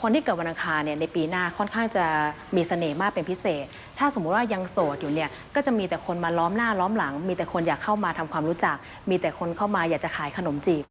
คนที่เกิดวันอังคารเนี่ยในปีหน้าค่อนข้างจะมีเสน่ห์มากเป็นพิเศษถ้าสมมุติว่ายังโสดอยู่เนี่ยก็จะมีแต่คนมาล้อมหน้าล้อมหลังมีแต่คนอยากเข้ามาทำความรู้จักมีแต่คนเข้ามาอยากจะขายขนมจีบ